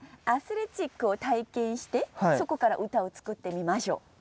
アスレチックを体験してそこから歌を作ってみましょう。